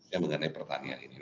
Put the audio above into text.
yang mengenai pertanian ini